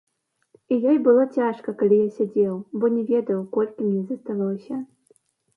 І ёй было цяжка, калі я сядзеў, бо не ведаў, колькі мне засталося.